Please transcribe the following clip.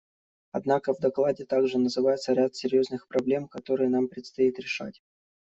Однако в докладе также называется ряд серьезных проблем, которые нам предстоит решать.